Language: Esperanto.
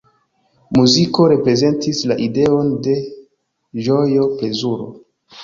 Muzikilo reprezentis la ideon de ĝojo, plezuro.